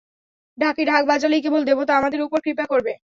ঢাকি ঢাক বাজালেই কেবল দেবতা আমাদের উপর কৃপা করবে।